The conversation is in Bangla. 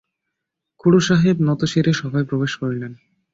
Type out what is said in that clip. খুড়াসাহেব নতশিরে সভায় প্রবেশ করিলেন।